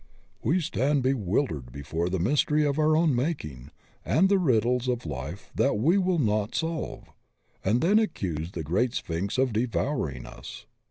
We stand bewildered before the mystery of our own making and the riddles of life that we will not solve, and then accuse the great Sphinx of devouring us.